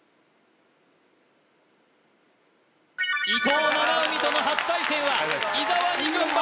伊藤七海との初対戦は伊沢に軍配